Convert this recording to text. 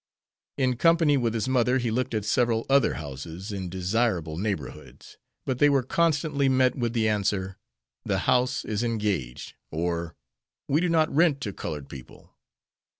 In company with his mother he looked at several other houses in desirable neighborhoods, but they were constantly met with the answer, "The house is engaged," or, "We do not rent to colored people."